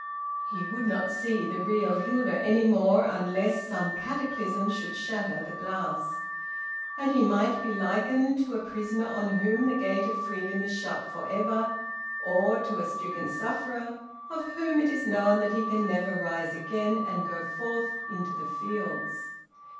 He would not see the real Hilda any more unless some cataclysm should shatter the glass. And he might be likened to a prisoner on whom the gate of freedom is shut for ever, or to a stricken sufferer of whom it is known that he can never rise again and go forth into the fields.